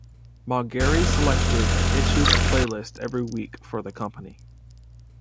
Maugeri selected and issued a playlist every week for the company.